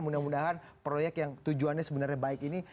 mudah mudahan proyek yang tujuannya sebenarnya baik ini